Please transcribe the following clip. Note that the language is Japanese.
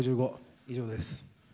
以上です。